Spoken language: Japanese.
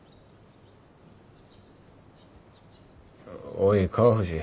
おい川藤